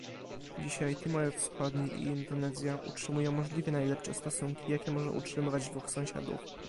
Dzisiaj Timor Wschodni i Indonezja utrzymują możliwie najlepsze stosunki, jakie może utrzymywać dwóch sąsiadów